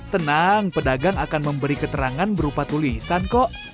tenang pedagang akan memberi keterangan berupa tulisan kok